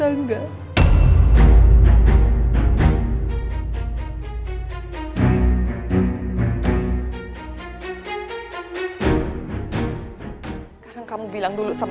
aku sengaja menyesal